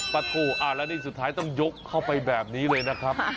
โถอ่าแล้วนี่สุดท้ายต้องยกเข้าไปแบบนี้เลยนะครับ